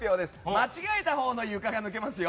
間違えたほうの床が抜けますよ。